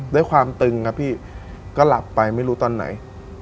ด้วยความตึงครับพี่ก็หลับไปไม่รู้ตอนไหน